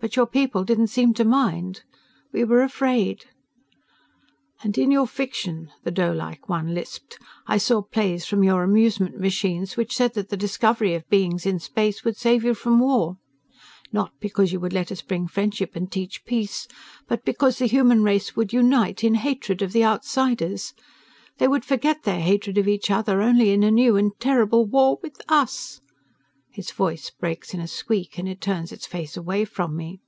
But your people didn't seem to mind." "We were afraid." "And in your fiction," the doelike one lisped, "I saw plays from your amusement machines which said that the discovery of beings in space would save you from war, not because you would let us bring friendship and teach peace, but because the human race would unite in hatred of the outsiders. They would forget their hatred of each other only in a new and more terrible war with us." Its voice breaks in a squeak and it turns its face away from me.